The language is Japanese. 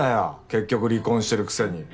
結局離婚してるくせに。